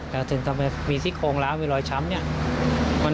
แล้วถึงทำไมมีซิกโครงแล้วมีรอยช้ำ